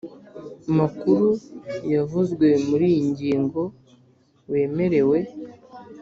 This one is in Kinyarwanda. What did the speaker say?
makuru wavuzwe muri iyi ngingo wemerewe